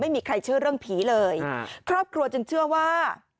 ไม่มีใครเชื่อเรื่องผีเลยครอบครัวจึงเชื่อว่า